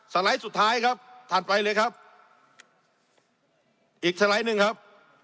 ไลด์สุดท้ายครับถัดไปเลยครับอีกสไลด์หนึ่งครับ